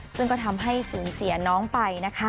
ซึ่งก็ทำให้สูญเสียน้องไปนะคะ